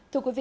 thưa quý vị